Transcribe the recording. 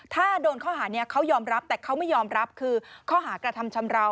ถ้าโดนข้อหานี้เขายอมรับแต่เขาไม่ยอมรับคือข้อหากระทำชำราว